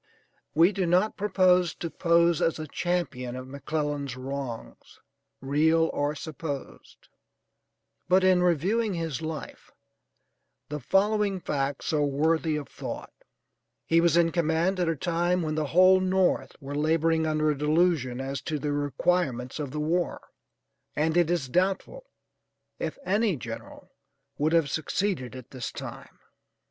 We do not propose to pose as a champion of McClellan's wrongs, real or supposed, but in reviewing his life the following facts are worthy of thought: He was in command at a time when the whole North were laboring under a delusion as to the requirements of the war, and it is doubtful if any general would have succeeded at this time.